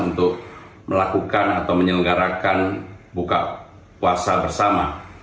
untuk melakukan atau menyelenggarakan buka puasa bersama